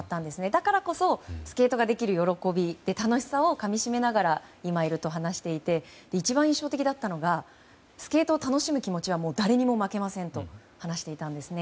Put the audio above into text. だからこそスケートができる喜び楽しさをかみしめながら今いると話していて一番印象的だったのはスケートを楽しむ気持ちは誰にも負けませんと話していたんですね。